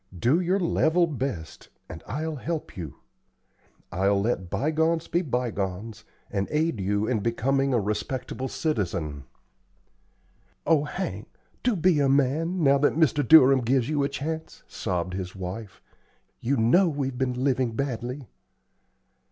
Do your level best, and I'll help you. I'll let bygones be bygones, and aid you in becoming a respectable citizen." "Oh, Hank, do be a man, now that Mr. Durham gives you a chance," sobbed his wife; "you know we've been living badly."